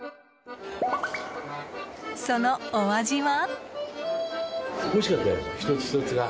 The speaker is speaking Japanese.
そのお味は。